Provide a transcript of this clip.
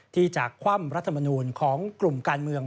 ที่จะคว่ำรัฐมนูลของกลุ่มการเมือง